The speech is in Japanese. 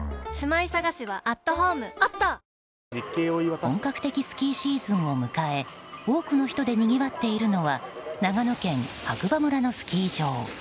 本格的スキーシーズンを迎え多くの人で、にぎわっているのは長野県白馬村のスキー場。